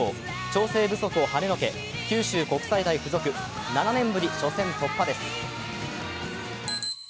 調整不足をはねのけ九州国際大付属７年ぶり初戦突破です。